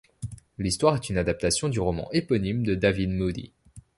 L'histoire est une adaptation du roman éponyme de David Moody.